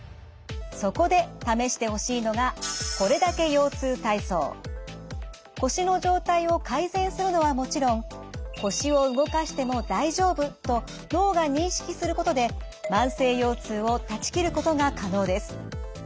そこで試してほしいのが腰の状態を改善するのはもちろん腰を動かしても大丈夫と脳が認識することで慢性腰痛を断ち切ることが可能です。